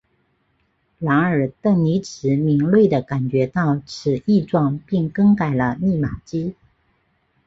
然而邓尼兹敏锐地感觉到此异状并更改了密码机。